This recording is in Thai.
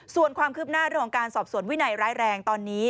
ส่วนความคืบหน้าเรื่องของการสอบสวนวินัยร้ายแรงตอนนี้